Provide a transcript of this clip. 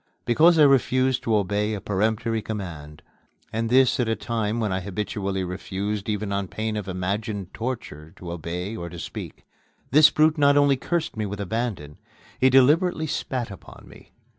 Because I refused to obey a peremptory command, and this at a time when I habitually refused even on pain of imagined torture to obey or to speak, this brute not only cursed me with abandon, he deliberately spat upon me.